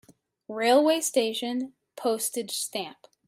Railway station Postage stamp.